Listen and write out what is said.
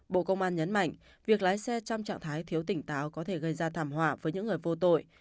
bộ công an nhấn mạnh việc lái xe trong trạng thái thiếu tỉnh táo có thể gây ra thảm họa với những người vô tội